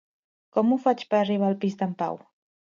Com ho faig per arribar al pis d'en Pau?